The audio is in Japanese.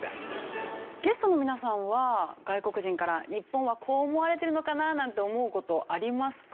ゲストの皆さんは外国人から日本はこう思われてるのかななんて思う事ありますか？